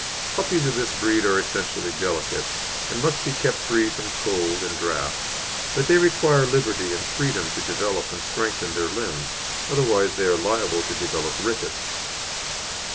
Puppies of this breed are essentially delicate, and must be kept free from cold and draughts, but they require liberty and freedom to develop and strengthen their limbs, otherwise they are liable to develop rickets.